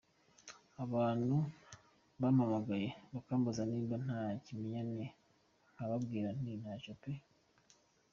Abantu bampamagaye bakambaza nimba nta kimenyane nkababwira nti ntacyo pee.